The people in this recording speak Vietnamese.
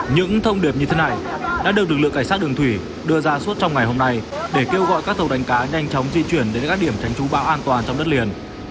những thông điệp như thế này đã được lực lượng cảnh sát đường thủy đưa ra suốt trong ngày hôm nay để kêu gọi các tàu đánh cá nhanh chóng di chuyển đến các điểm tránh trú bão an toàn trong đất liền